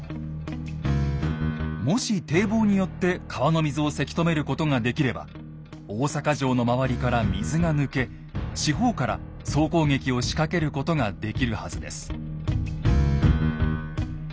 もし堤防によって川の水をせき止めることができれば大坂城の周りから水が抜け四方から総攻撃を仕掛けることができるはずです。